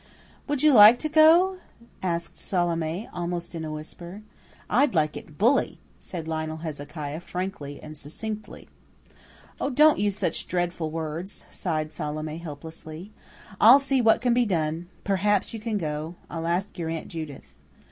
"Would you like to go?" asked Salome, almost in a whisper. "I'd like it bully," said Lionel Hezekiah frankly and succinctly. "Oh, don't use such dreadful words," sighed Salome helplessly. "I'll see what can be done. Perhaps you can go. I'll ask your Aunt Judith."